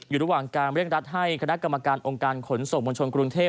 อยู่ระหว่างการเร่งรัดให้คณะกรรมการองค์การขนส่งมวลชนกรุงเทพ